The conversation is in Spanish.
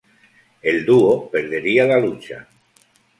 El dúo perdería la lucha.